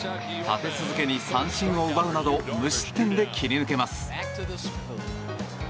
立て続けに三振を奪うなど無失点で切り抜けます。